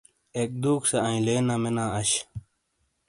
ایک دُوک سے ایئنلے نامےنا اش۔